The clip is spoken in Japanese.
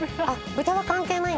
豚関係ない。